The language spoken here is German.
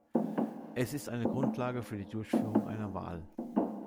Es ist eine Grundlage für die Durchführung einer Wahl.